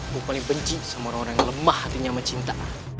gue paling benci sama orang orang yang lemah hatinya sama cinta